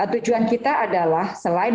tujuan kita adalah selain